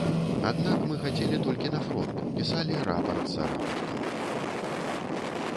Аднак мы хацелі толькі на фронт, пісалі рапарт за рапартам.